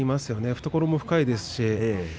懐も深いですし。